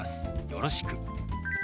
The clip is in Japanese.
「よろしく」。